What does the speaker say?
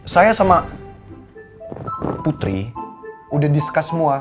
saya sama putri udah discus semua